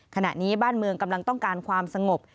ขณะนี้บ้านเมืองกำลังต้องการความสงบ